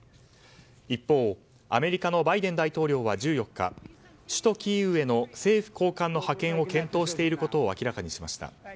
一方、アメリカのバイデン大統領は１４日首都キーウへの政府高官の派遣を検討していることを明らかにしました。